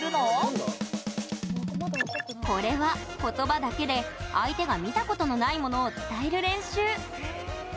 これは、ことばだけで相手が見たことのないものを伝える練習。